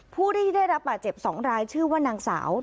ผู้ที่ได้รับบาดเจ็บ๒รายชื่อว่านางสาว